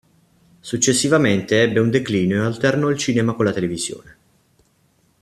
Successivamente, ebbe un declino e alternò il cinema con la televisione.